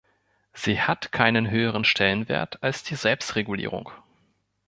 Sie hat keinen höheren Stellenwert als die Selbstregulierung.